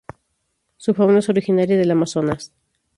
Su fauna es originaria del Amazonas.